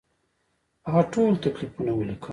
هغه ټول تکلیفونه ولیکل.